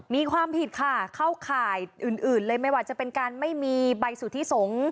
มีความผิดค่ะเข้าข่ายอื่นเลยไม่ว่าจะเป็นการไม่มีใบสุทธิสงฆ์